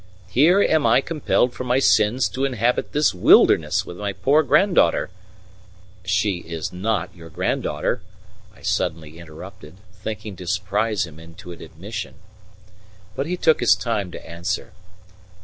Here am I compelled for my sins to inhabit this wilderness with my poor granddaughter " "She is not your granddaughter!" I suddenly interrupted, thinking to surprise him into an admission. But he took his time to answer.